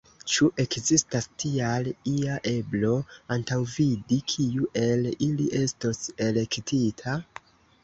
Ĉu ekzistas tial ia eblo antaŭvidi, kiu el ili estos elektita?